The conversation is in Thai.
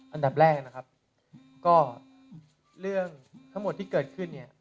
อันดับแรกนะครับก็เรื่องทั้งหมดที่เกิดขึ้นเนี่ย